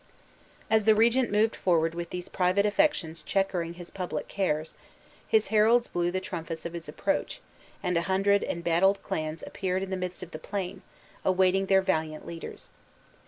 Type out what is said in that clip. As the regent moved forward with these private affections checkering his public cares, his heralds blew the trumpets of his approach, and a hundred embattled clans appeared in the midst of the plain, awaiting their valiant leaders.